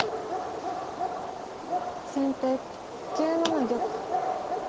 先手９七玉。